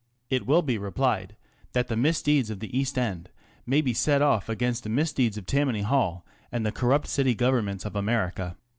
It will be replied that the misdeeds of the East End may be set off against the misdeeds of Tammany Hall and the corrupt City Governments of America.